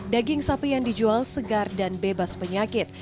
daging sapi yang dijual segar dan bebas penyakit